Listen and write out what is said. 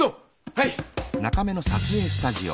はい。